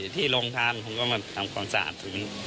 ที่ลงทางผมก็มาทำความสะอาด